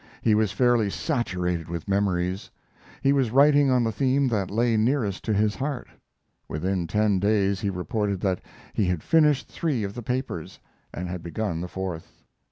He was fairly saturated with memories. He was writing on the theme that lay nearest to his heart. Within ten days he reported that he had finished three of the papers, and had begun the fourth.